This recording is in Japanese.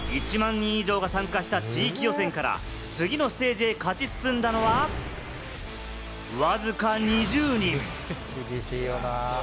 １万人以上が参加した地域予選から次のステージへ勝ち進んだのは、わずか２０人。